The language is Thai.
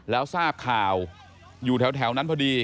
แล้วทราบข่าวอยู่แถวนั้นพอดี